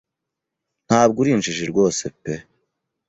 Ntabwo uri injiji rwose pe.